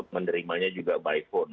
menerimanya juga by phone